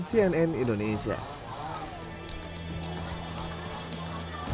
cnn indonesia hai